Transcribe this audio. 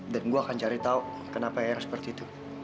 dan gue akan cari tahu kenapa yang seperti itu